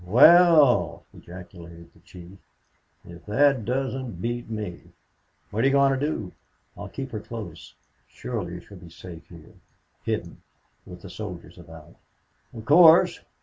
"Well!" ejaculated the chief. "If that doesn't beat me!... What are you going to do?" "I'll keep her close. Surely she will be safe here hidden with the soldiers about." "Of course.